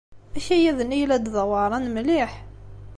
Akayad-nni yella-d d aweɛṛan mliḥ.